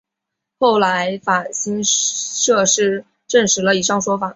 后来法新社证实了以上说法。